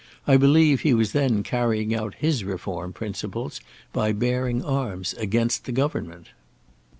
I believe he was then carrying out his reform principles by bearing arms against the government."